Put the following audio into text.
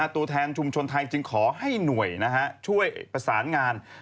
ตัวแทนชุมชนไทยจึงขอให้หน่วยช่วยประสานงาน